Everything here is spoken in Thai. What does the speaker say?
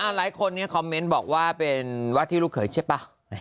หลายคนคอมเมนต์บอกว่าเป็นว่าที่ลูกเขยใช่ป่ะ